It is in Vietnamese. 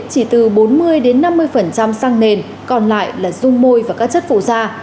chỉ từ bốn mươi năm mươi xăng nền còn lại là dung môi và các chất phủ da